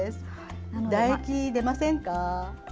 唾液、出ませんか？